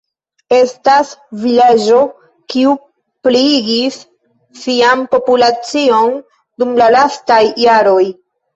Estas vilaĝo kiu pliigis sian populacion dum la lastaj jaroj.